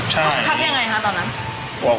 อ๋อใช่ทักยังไงคะตอนนั้น